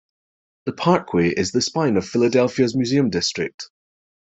The Parkway is the spine of Philadelphia's Museum District.